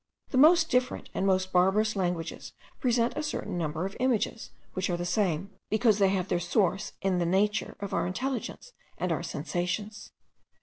The most different and most barbarous languages present a certain number of images, which are the same, because they have their source in the nature of our intelligence and our sensations.